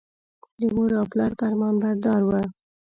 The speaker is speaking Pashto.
د مور او پلار فرمانبردار و.